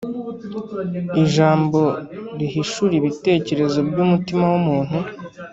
ijambo rihishura ibitekerezo by’umutima w’umuntu.